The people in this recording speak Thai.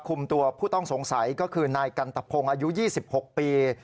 คุมตัวผู้ต้องสงสัยก็คือนายกันตะพงศ์อายุ๒๖ปี